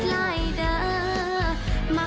สวัสดีครับ